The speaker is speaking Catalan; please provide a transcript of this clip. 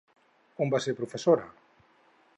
On va ser professora?